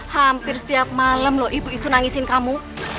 hampir setiap malam loh ibu itu nangisin kamu